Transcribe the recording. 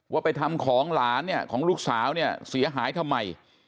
ว่าไปทำของหลานเนี่ยของลูกสาวเนี่ยเสียหายทำไม